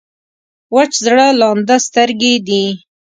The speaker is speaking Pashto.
وچ زړه لانده سترګې دي.